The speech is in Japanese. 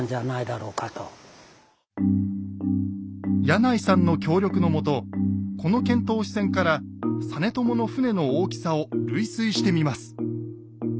柳井さんの協力のもとこの遣唐使船から実朝の船の大きさを類推してみます。